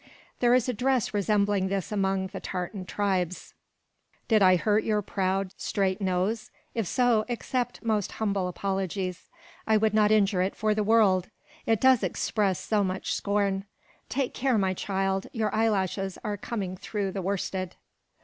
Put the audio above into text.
There is a dress resembling this among the Tartar tribes. Did I hurt your proud, straight nose? If so, accept most humble apologies. I would not injure it for the world; it does express so much scorn. Take care, my child, your eyelashes are coming through the worsted."